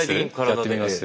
やってみます？